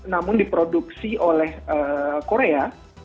namun diproduksi oleh korea